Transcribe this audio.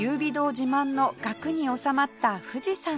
自慢の額に納まった富士山の絵